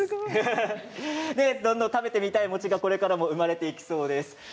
どんどん食べてみたい餅がこれからも生まれてきそうです。